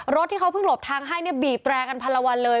รถที่เขาเพิ่งหลบทางให้เนี่ยบีบแตรกันพันละวันเลย